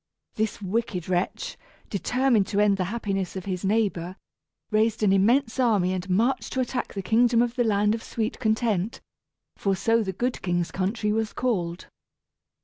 This wicked wretch, determined to end the happiness of his neighbor, raised an immense army and marched to attack the kingdom of the Land of Sweet Content, for so the good king's country was called.